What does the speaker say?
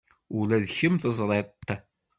Ula d kemm teẓriḍ-t.